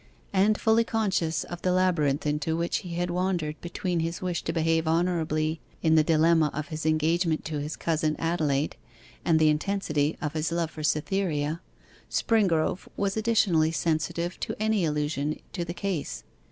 And fully conscious of the labyrinth into which he had wandered between his wish to behave honourably in the dilemma of his engagement to his cousin Adelaide and the intensity of his love for Cytherea, Springrove was additionally sensitive to any allusion to the case.